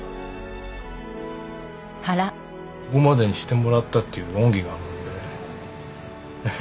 ここまでにしてもらったという恩義があるので。